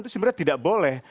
itu sebenarnya tidak boleh